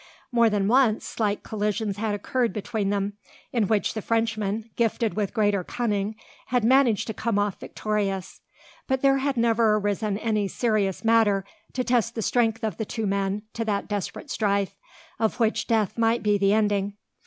More than once, slight collisions had occurred between them, in which the Frenchman, gifted with greater cunning, had managed to come off victorious. But there had never arisen any serious matter to test the strength of the two men to that desperate strife, of which death might be the ending.